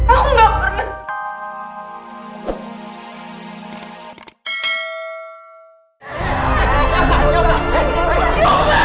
aku gak pernah